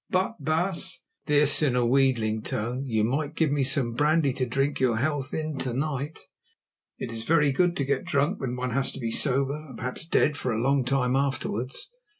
But, baas"—this in a wheedling tone—"you might give me some brandy to drink your health in to night. It is very good to get drunk when one has to be sober, and perhaps dead, for a long time afterwards.